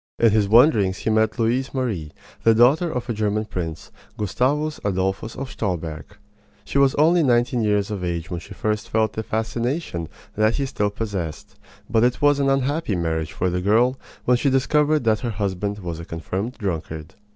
In his wanderings he met Louise Marie, the daughter of a German prince, Gustavus Adolphus of Stolberg. She was only nineteen years of age when she first felt the fascination that he still possessed; but it was an unhappy marriage for the girl when she discovered that her husband was a confirmed drunkard.